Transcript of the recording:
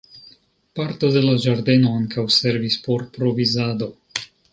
Parto de la ĝardeno ankaŭ servis por provizado.